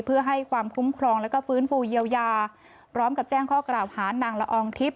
เพื่อให้ความคุ้มครองแล้วก็ฟื้นฟูเยียวยาพร้อมกับแจ้งข้อกล่าวหานางละอองทิพย